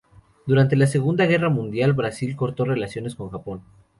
Durante la Segunda Guerra Mundial, Brasil cortó relaciones con Japón.